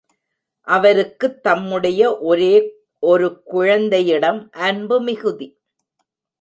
அவருக்குத் தம்முடைய ஒரே ஒரு குழந்தையிடம் அன்பு மிகுதி.